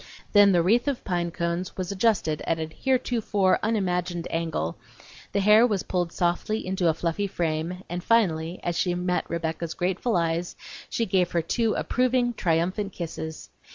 Then the wreath of pine cones was adjusted at a heretofore unimagined angle, the hair was pulled softly into a fluffy frame, and finally, as she met Rebecca's grateful eyes she gave her two approving, triumphant kisses.